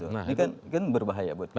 ini kan berbahaya buat kita